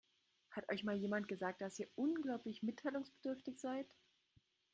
Hat euch mal jemand gesagt, dass ihr unglaublich mitteilungsbedürftig seid?